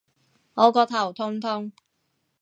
我個頭痛痛